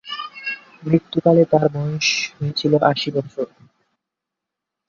মৃত্যুকালে তার বয়স হয়েছিল আশি বছর।